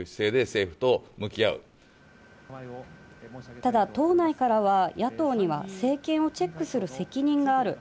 ただ党内からは野党には政権をチェックする責任がある。